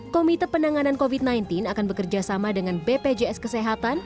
komite penanganan covid sembilan belas akan bekerjasama dengan bpjs kesehatan